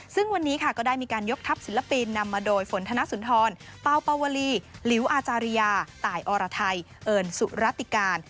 ซึ่งวันนี้ค่ะก็ได้มีการยกทัพศิลปินนำมาโดยฝนธนสุนทรเป่าเป่าวลีหลิวอาจาริยาตายอรไทยเอิญสุรติการ